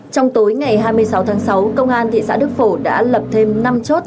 trong tối ngày hai mươi sáu tháng sáu công an thị xã đức phổ đã lập thêm năm chốt